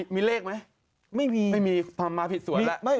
มีเลขไหมไม่มีไม่มีมาผิดสวนแล้ว